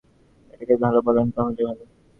এটাকে যদি ভাল বলেন তা হলে ভাল।